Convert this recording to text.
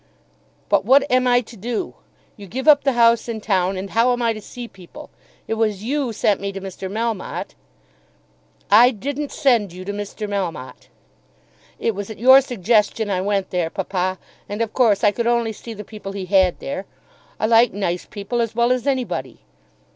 "But what am I to do? You give up the house in town, and how am I to see people? It was you sent me to Mr. Melmotte." "I didn't send you to Mr. Melmotte." "It was at your suggestion I went there, papa. And of course I could only see the people he had there. I like nice people as well as anybody."